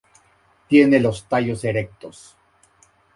Tiene los tallos erectos.